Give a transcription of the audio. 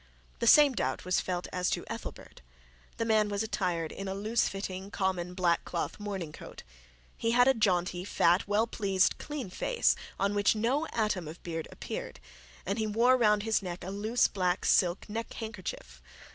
The same doubt was felt as to Ethelbert. The man was attired in a loose fitting common black cloth morning coat. He had a jaunty well pleased clean face, on which no atom of beard appeared, and he wore round his neck a loose black silk neckhandkerchief.